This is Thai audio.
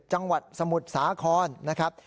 จังหวัดสมุทรสาครนะครับ